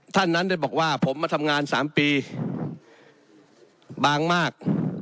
ท่านนั้นได้บอกว่าผมมาทำงาน๓ปีบางมาก